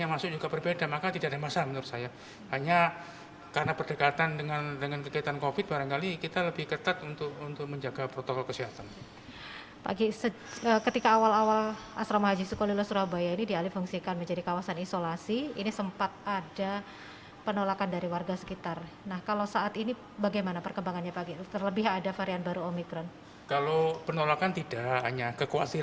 asrama haji surabaya jawa timur